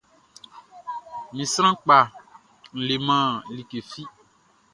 Mi sran kpa n leman like fi.